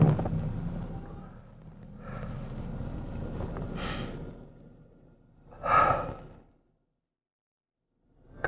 telsa dan riki